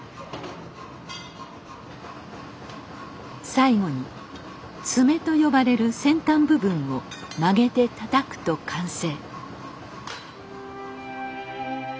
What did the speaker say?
最後に「爪」と呼ばれる先端部分を曲げてたたくと完成。